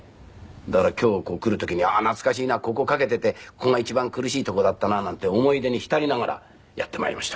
だから今日ここ来る時に懐かしいなここ駆けていてここが一番苦しい所だったななんて思い出に浸りながらやって参りました。